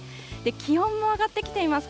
気温も上がってきています。